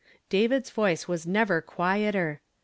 David's voice was never quieter.